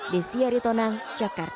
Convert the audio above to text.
desi aritonang jakarta